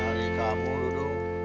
hari kamu duduk